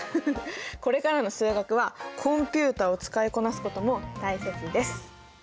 これからの数学はコンピューターを使いこなすことも大切です。